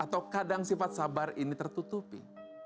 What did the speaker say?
atau kadang sifat sabar ini tertutupi